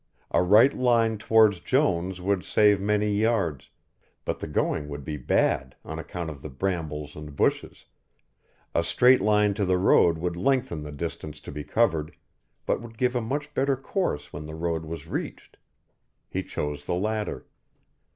A right line towards Jones would save many yards, but the going would be bad on account of the brambles and bushes, a straight line to the road would lenghten the distance to be covered, but would give a much better course when the road was reached. He chose the latter.